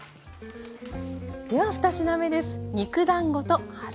では２品目です。